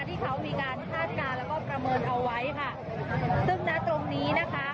ที่เขามีการคาดการณ์แล้วก็ประเมินเอาไว้ค่ะซึ่งณตรงนี้นะคะ